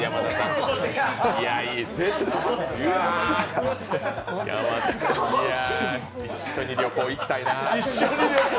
うわ、一緒に旅行行きたいな。